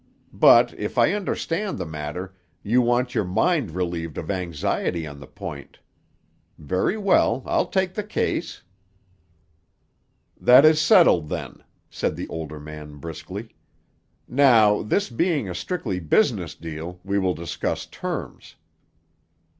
But, if I understand the matter, you want your mind relieved of anxiety on the point. Very well, I'll take the case." "That is settled, then," said the older man briskly. "Now, this being a strictly business deal, we will discuss terms."